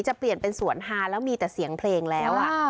จะเปลี่ยนเป็นสวนฮาแล้วมีแต่เสียงเพลงแล้ว